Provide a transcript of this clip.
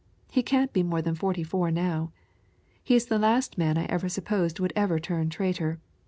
He can't be more than forty four now. He is the last man I ever supposed would ever turn traitor.